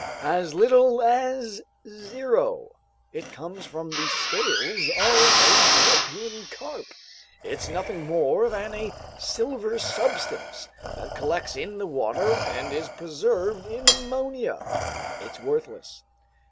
"As little as zero! It comes from the scales of a European carp, it's nothing more than a silver substance that collects in the water and is preserved in ammonia. It's worthless."